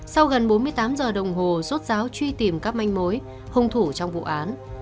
sau gần bốn mươi tám giờ đồng hồ rốt ráo truy tìm các manh mối hung thủ trong vụ án